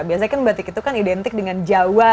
biasanya kan batik itu kan identik dengan jawa